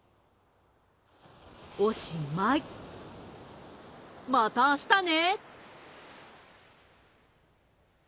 おしまいまた明日ね！